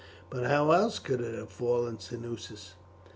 "But how else could it have fallen, Cneius?"